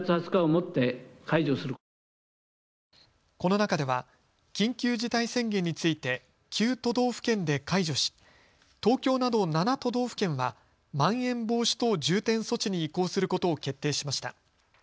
この中では緊急事態宣言について９都道府県で解除し東京など７都道府県はまん延防止等重点措置に移行することを決定しました。